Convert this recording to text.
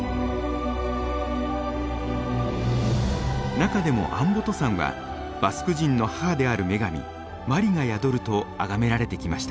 中でもアンボト山はバスク人の母である女神マリが宿るとあがめられてきました。